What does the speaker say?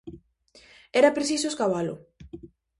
Era preciso escavalo.